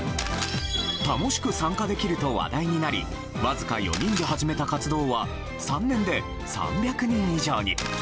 楽しく参加できると話題になりわずか４人で始めた活動は３年で３００人以上に。